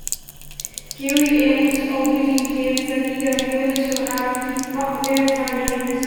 Garryales are woody plants that are either hairless or have very fine hairs.